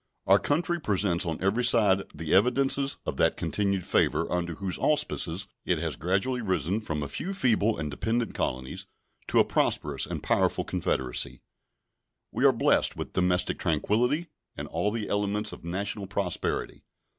Our country presents on every side the evidences of that continued favor under whose auspices it, has gradually risen from a few feeble and dependent colonies to a prosperous and powerful confederacy. We are blessed with domestic tranquillity and all the elements of national prosperity.